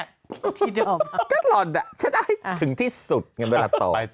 ก็ลอดอะถึงที่สุดเวลาต่อ